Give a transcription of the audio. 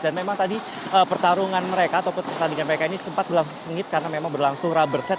dan memang tadi pertarungan mereka atau pertandingan mereka ini sempat berlangsung sengit karena memang berlangsung rubber set